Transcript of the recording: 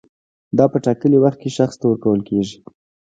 دا په ټاکلي وخت کې شخص ته ورکول کیږي.